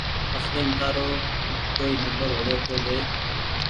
اصليم تآرو ڪوئي نمبر هووي تو ۮي